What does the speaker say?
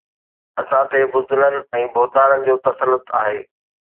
اسان تي بزدلن ۽ ڀوتارن جو تسلط آهي